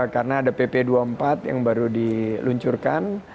karena ada pp dua puluh empat yang baru diluncurkan